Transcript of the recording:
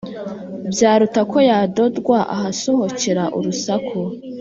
Byaruta ko yadodwa ahasohokera urusaku